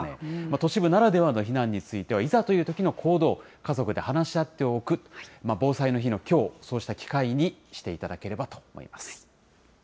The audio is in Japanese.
都市部ならではの避難については、いざというときの行動、家族で話し合っておく、防災の日のきょう、そうした機会にしていただければと思います。